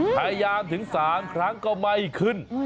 พยายามถึง๓ครั้งก็ไม่ขึ้น